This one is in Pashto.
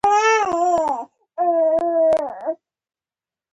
زړه د روح سره اړیکه لري.